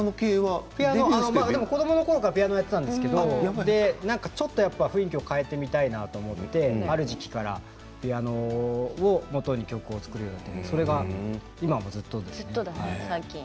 子どものころはピアノをやっていたんですけど雰囲気を変えてみたいと思ってある時期からピアノをもとに曲を作るようになって今もそれがずっと続いています。